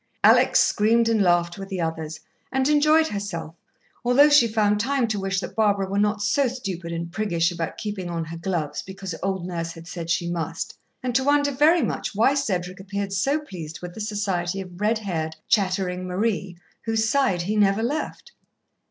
Alex screamed and laughed with the others, and enjoyed herself, although she found time to wish that Barbara were not so stupid and priggish about keeping on her gloves, because old Nurse had said she must, and to wonder very much why Cedric appeared so pleased with the society of red haired, chattering Marie, whose side he never left.